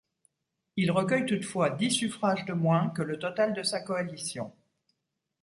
Il recueille toutefois dix suffrages de moins que le total de sa coalition.